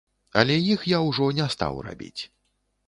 Але іх я ўжо не стаў рабіць.